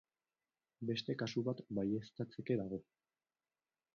Beste kasu bat baieztatzeke dago.